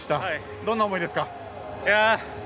どんな思いですか？